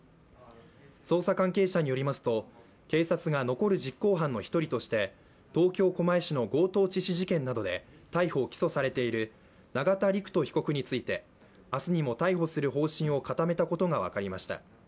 捜査関係者によりますと、警察が残る実行犯の１人として東京・狛江市の強盗致死事件などで逮捕・起訴されている永田陸人被告について明日にも逮捕する方針を固めたことが分かりました。